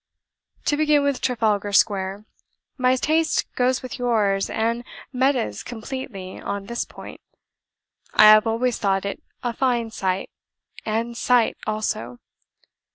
"To begin with Trafalgar Square. My taste goes with yours and Meta's completely on this point. I have always thought it a fine site (and SIGHT also).